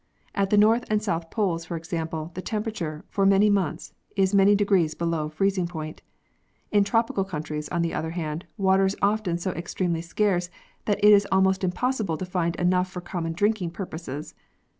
At the North and South Poles, for example, the temperature, for many months, is many degrees below freezing point. In tropical countries, on the other hand, water is often so extremely scarce that it is almost impossible to find enough for common drinking purposes.